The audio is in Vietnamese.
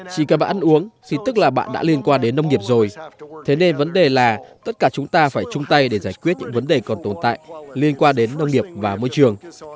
chỉ cần bạn ăn uống thì tức là bạn đã liên quan đến nông nghiệp rồi thế nên vấn đề là tất cả chúng ta phải chung tay để giải quyết những vấn đề còn tồn tại liên quan đến nông nghiệp và môi trường